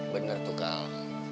bener tuh kal